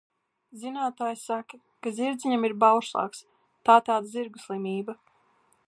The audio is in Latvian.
Zinātāji saka, ka zirdziņam ir baušlāgs tā tāda zirgu slimība.